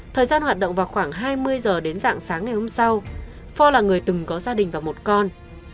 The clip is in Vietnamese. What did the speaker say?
thời gian hoạt động vào khoảng hai mươi giờ đến dạng sáng ngày hôm sau pho là người từng có gia đình và một con